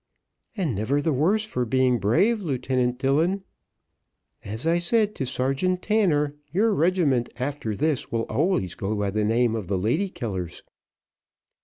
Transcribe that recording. "And never the worse for being brave, Lieutenant Dillon; as I said to Sergeant Tanner, your regiment, after this, will always go by the name of the lady killers."